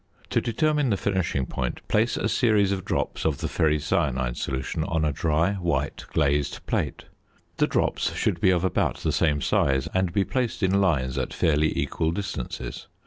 To determine the finishing point, place a series of drops of the ferricyanide solution on a dry white glazed plate. The drops should be of about the same size and be placed in lines at fairly equal distances.